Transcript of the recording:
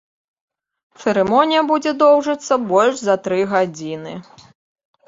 Цырымонія будзе доўжыцца больш за тры гадзіны.